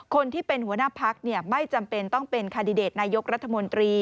คนที่เป็นหัวหน้าพักไม่จำเป็นต้องเป็นคาดิเดตนายกรัฐมนตรี